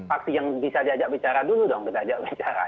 pasti yang bisa diajak bicara dulu dong kita ajak bicara